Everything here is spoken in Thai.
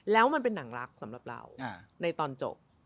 แล้วมันเป็นหนังรักสำหรับเราในตอนจบ